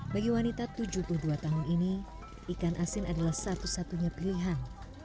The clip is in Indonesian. bagi wanita tujuh puluh dua tahun ini ikan asin adalah satu satunya pilihan